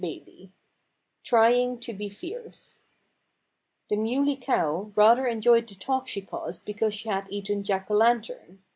XXII TRYING TO BE FIERCE The Muley Cow rather enjoyed the talk she caused because she had eaten Jack O'Lantern.